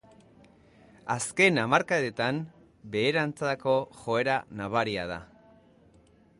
Azken hamarkadetan beheranzko joera nabari da.